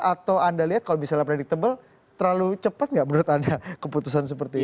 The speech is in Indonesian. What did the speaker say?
atau anda lihat kalau misalnya predictable terlalu cepat nggak menurut anda keputusan seperti ini